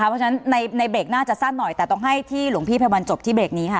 เพราะฉะนั้นในเบรกน่าจะสั้นหน่อยแต่ต้องให้ที่หลวงพี่ไพวันจบที่เบรกนี้ค่ะ